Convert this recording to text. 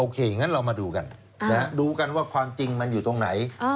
อย่างนั้นเรามาดูกันดูกันว่าความจริงมันอยู่ตรงไหน